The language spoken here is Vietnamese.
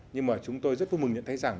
nhưng mà chúng tôi rất vui mừng nhận thấy rằng